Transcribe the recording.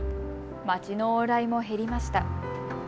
街の往来も減りました。